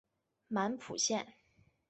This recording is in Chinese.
满浦线